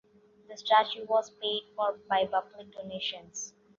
The statue was paid for by public donations.